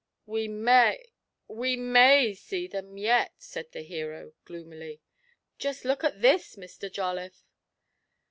'We may we may see them yet!' said the hero, gloomily. 'Just look at this, Mr. Jolliffe.'